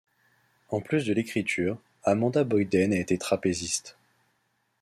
En plus de l'écriture, Amanda Boyden a été trapéziste.